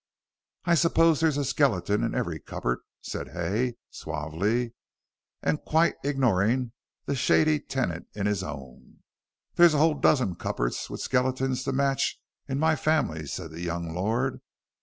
"I suppose there is a skeleton in every cupboard," said Hay, suavely, and quite ignoring the shady tenant in his own. "There's a whole dozen cupboards with skeletons to match in my family," said the young lord.